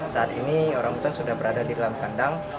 saat ini orang hutan sudah berada di dalam kandang